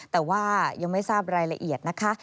แต่ว่ายังไม่ทราบรายละเอียดนะคะ